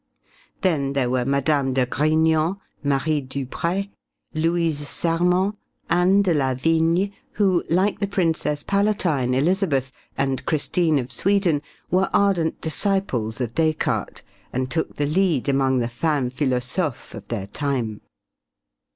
Then there were Mme. de Grignan, Marie Dupré, Louise Serment, Anne de La Vigne, who, like the Princess Palatine, Elisabeth, and Christine of Sweden, were ardent disciples of Descartes, and took the lead among the femmes philosophes of their time.